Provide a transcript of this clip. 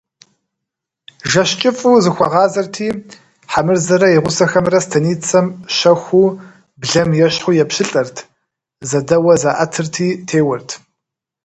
Жэщ кӀыфӀу зыхуагъазэрти, Хьэмырзэрэ и гъусэхэмрэ станицэм щэхуу, блэм ещхьу, епщылӀэрт, зэдэууэ заӀэтырти теуэрт.